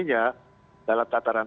visinya dalam tataran